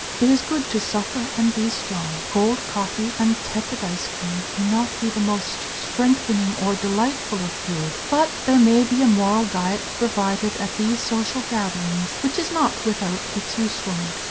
It is good to "suffer and be strong." Cold coffee and tepid ice cream may not be the most strengthening or delightful of food, but there may be a moral diet provided at these social gatherings which is not without its usefulness.